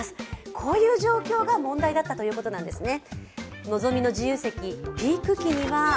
こういう状況が問題だったということなんですね。